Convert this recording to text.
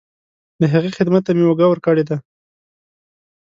د هغې خدمت ته مې اوږه ورکړې ده.